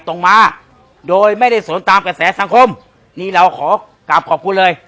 ตรงมาโดยไม่ได้สนตามกระแสสังคมนี่เราขอกลับขอบคุณเลย